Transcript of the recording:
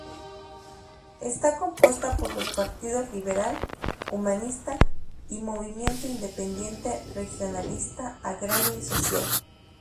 Está compuesta por los partidos Liberal, Humanista y Movimiento Independiente Regionalista Agrario y Social.